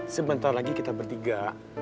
sebentar lagi kita bertiga